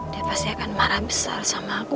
dia pasti akan marah besar sama aku